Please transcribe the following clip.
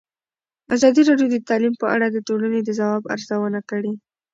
ازادي راډیو د تعلیم په اړه د ټولنې د ځواب ارزونه کړې.